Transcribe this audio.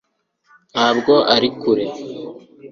ntabwo ari kure